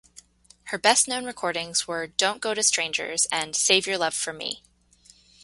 Her best-known recordings were "Don't Go to Strangers" and "Save Your Love for Me".